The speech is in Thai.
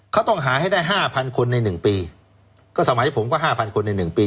เขาต้องหาให้ได้ห้าพันคนใน๑ปีก็สมัยผมก็ห้าพันคนใน๑ปี